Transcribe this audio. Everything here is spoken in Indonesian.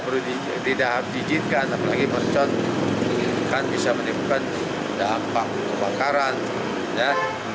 pemerintahan provinsi banten menyatakan akan menata ulang pabrik atau hal yang lainnya